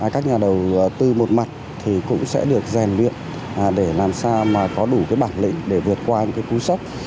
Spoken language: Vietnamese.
các nhà đầu tư một mặt cũng sẽ được rèn luyện để làm sao có đủ bảng lĩnh để vượt qua những cú sốc